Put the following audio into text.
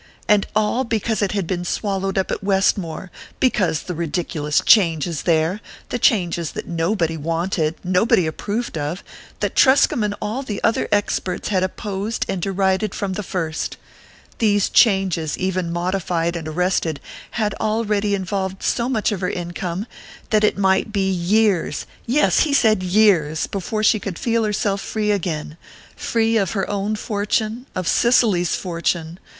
And all because it had been swallowed up at Westmore because the ridiculous changes there, the changes that nobody wanted, nobody approved of that Truscomb and all the other experts had opposed and derided from the first these changes, even modified and arrested, had already involved so much of her income, that it might be years yes, he said years! before she would feel herself free again free of her own fortune, of Cicely's fortune...